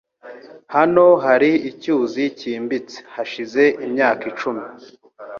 Hano hari icyuzi cyimbitse hashize imyaka icumi